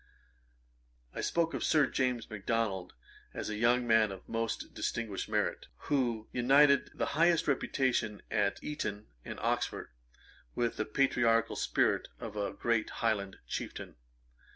1763.] I spoke of Sir James Macdonald as a young man of most distinguished merit, who united the highest reputation at Eaton and Oxford, with the patriarchal spirit of a great Highland Chieftain.